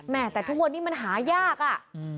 แหมแต่ทุกวันนี่มันหายากอืม